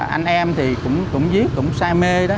anh em thì cũng viết cũng say mê đó